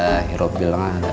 anak anak kalian lanjut aja